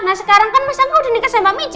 nah sekarang kan mas angga udah nikah sama mbak mici